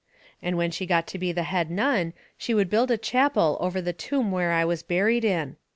And when she got to be the head nun she would build a chapel over the tomb where I was buried in.